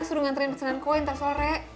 suruh ngantriin pesanan koin ntar sore